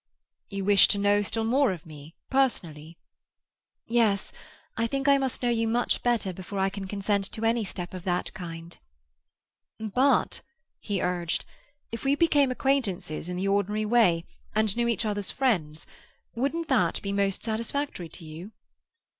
"You wish to know still more of me, personally?" "Yes—I think I must know you much better before I can consent to any step of that kind." "But," he urged, "if we became acquaintances in the ordinary way, and knew each other's friends, wouldn't that be most satisfactory to you?"